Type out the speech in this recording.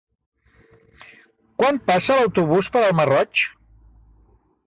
Quan passa l'autobús per el Masroig?